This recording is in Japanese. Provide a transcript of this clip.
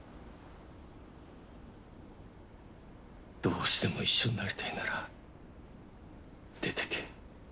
どうしても一緒になりたいなら出てけ。